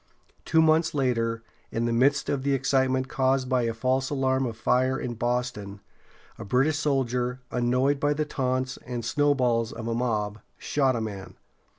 Two months later, in the midst of the excitement caused by a false alarm of fire in Boston, a British soldier, annoyed by the taunts and snowballs of a mob, shot a man.